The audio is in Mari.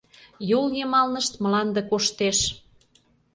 Йол йымалнышт мланде коштеш...